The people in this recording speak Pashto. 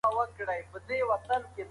زه به ستا د زنګ انتظار کوم.